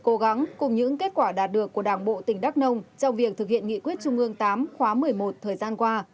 cố gắng cùng những kết quả đạt được của đảng bộ tỉnh đắk nông trong việc thực hiện nghị quyết trung ương tám khóa một mươi một thời gian qua